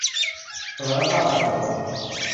สถานภาพการสมรส